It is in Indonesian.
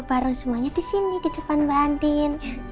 bareng semuanya disini di depan mbak andin